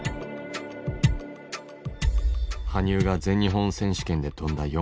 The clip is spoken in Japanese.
羽生が全日本選手権で跳んだ